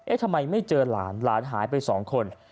ทำไมไม่เจอหลานหลานหายไปสองคน